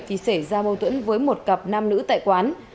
thì xảy ra mâu thuẫn với một cặp nam nữ tại quán